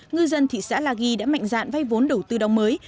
ngư dân thị xã la ghi đã mạnh dạn vay vốn đầu tư đóng mới